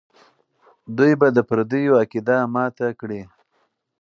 دوی به د پردیو عقیده ماته کړي.